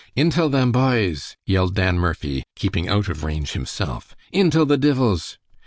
"Intil them, bhoys!" yelled Dan Murphy, keeping out of range himself. "Intil the divils!"